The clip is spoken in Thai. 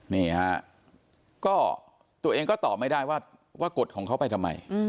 นี่ฮะก็ตัวเองก็ตอบไม่ได้ว่ากดของเขาไปทำไม